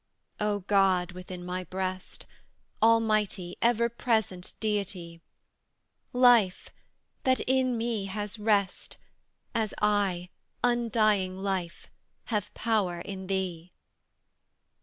O God within my breast, Almighty, ever present Deity! Life that in me has rest, As I undying Life have power in thee!